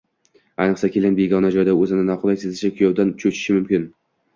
Ayniqsa, kelin begona joyda o‘zini noqulay sezishi, kuyovdan cho‘chishi mumkin.